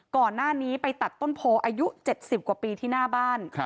ก่อนหน้านี้ไปตัดต้นโพอายุ๗๐กว่าปีที่หน้าบ้าน